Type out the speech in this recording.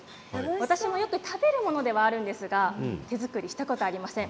私もよく食べるものではあるんですが手作りしたこと、ありません。